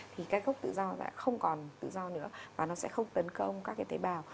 thì các gốc tự do đã không còn tự do nữa và nó sẽ không tấn công các tế bào